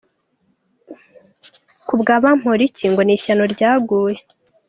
Ku bwa Bamporiki ngo “Ni ishano ryaguye!”.